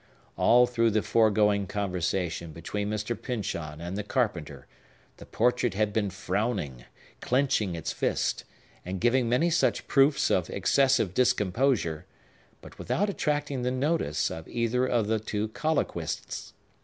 All through the foregoing conversation between Mr. Pyncheon and the carpenter, the portrait had been frowning, clenching its fist, and giving many such proofs of excessive discomposure, but without attracting the notice of either of the two colloquists.